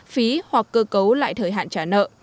phí hoặc cơ cấu lại thời hạn trả nợ